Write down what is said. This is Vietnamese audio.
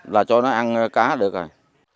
là cho nó ăn cá được rồi